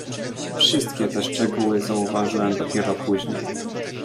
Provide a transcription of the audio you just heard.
"Wszystkie te szczegóły zauważyłem dopiero później."